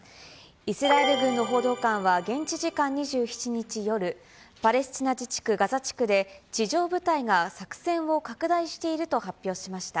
イスラエル軍の報道官は、現地時間２７日夜、パレスチナ自治区ガザ地区で、地上部隊が作戦を拡大していると発表しました。